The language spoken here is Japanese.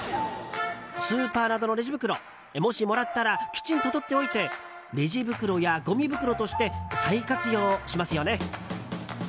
スーパーなどのレジ袋もしもらったらきちんととっておいてレジ袋やごみ袋として再活用しますよね。